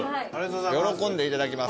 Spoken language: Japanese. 喜んでいただきます。